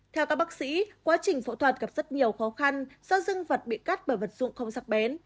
theo các bác sĩ quá trình phẫu thuật gặp rất nhiều khó khăn do dương vật bị cắt bởi vật dụng không sắc bén